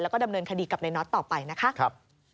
แล้วก็ดำเนินคดีกับในน็อตต่อไปนะคะ